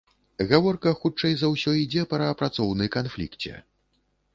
Гаворка, хутчэй за ўсё, ідзе пра працоўны канфлікце.